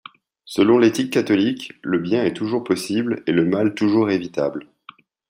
Selon l'éthique catholique, le bien est toujours possible et le mal toujours évitable.